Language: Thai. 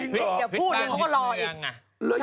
พี่แม่เดี๋ยวพูดเขาก็รออีก